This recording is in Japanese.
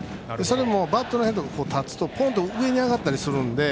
バットのヘッドが立つとポンと上に上がったりするので。